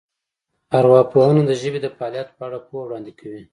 ارواپوهنه د ژبې د فعالیت په اړه پوهه وړاندې کوي